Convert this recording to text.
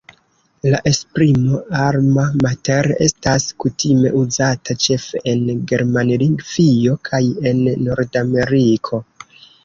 La esprimo "Alma mater" estas kutime uzata ĉefe en Germanlingvio kaj en Nordameriko.